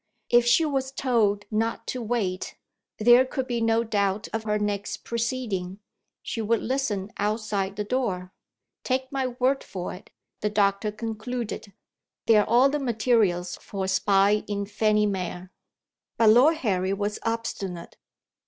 If she was told not to wait, there could be no doubt of her next proceeding: she would listen outside the door. "Take my word for it," the doctor concluded, "there are all the materials for a spy in Fanny Mere." But Lord Harry was obstinate.